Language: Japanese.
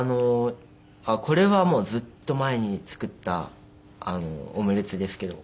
これはもうずっと前に作ったオムレツですけど。